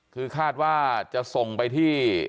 คือคาดว่าจะส่งไปที่